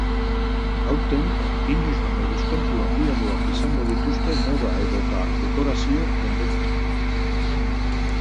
Aurten, inoiz baino deskontu handiagoak izango dituzte moda edota dekorazio dendetan.